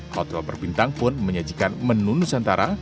hotel berpintang pun menyajikan menu nusantara